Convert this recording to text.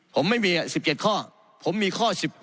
ผมไม่มี๑๗ข้อผมมีข้อ๑๘